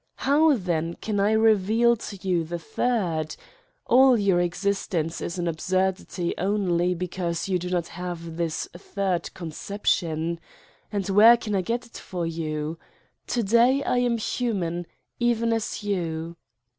How, then, can I reveal to you the third? All your existence is an absurdity only be cause you do not have this third conception. And where can I get it for you? To day I am human, even as you.